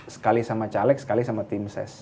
sekali sama caleg sekali sama tim ses